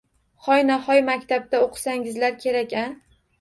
-Hoynahoy maktabda o’qisangizlar kerak-a?